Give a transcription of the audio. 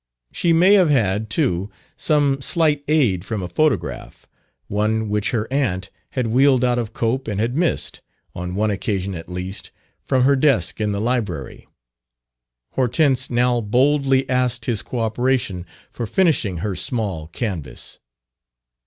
She may have had, too, some slight aid from a photograph, one which her aunt had wheedled out of Cope and had missed, on one occasion at least, from her desk in the library. Hortense now boldly asked his cooperation for finishing her small canvas.